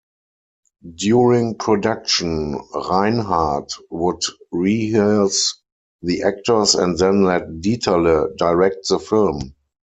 During production, Reinhardt would rehearse the actors and then let Dieterle direct the film.